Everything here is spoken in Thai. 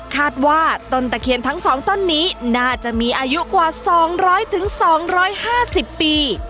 คาดว่าต้นตะเคียนทั้งสองต้นนี้น่าจะมีอายุกว่าสองร้อยถึงสองร้อยห้าสิบปี